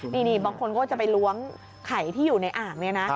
นี่บางคนก็จะไปล้วงไข่ที่อยู่ในอ่างเนี่ยนะ